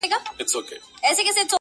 • په لومړۍ شپه وو خپل خدای ته ژړېدلی -